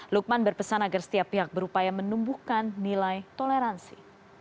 lukman berpesan agar setiap pihak berupaya menumbuhkan nilai toleransi